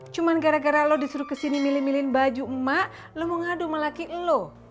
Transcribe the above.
cuma gara gara lo disuruh kesini milih milihin baju emak lo mau ngadu sama laki lo